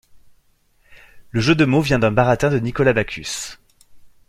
Le jeu de mots vient d'un baratin de Nicolas Bacchus.